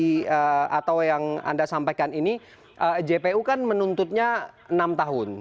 apa yang tadi atau yang anda sampaikan ini jpu kan menuntutnya enam tahun